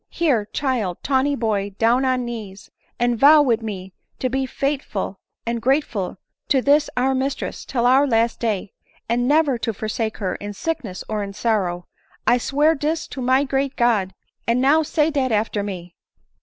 Here, child, tawny boy, down on knees, and vow wid me to be faith ful and grateful to this our mistress, till our last day ; and never to forsake her in sickness or in sorrow ! I swear dis to my great God : and now say dat after me."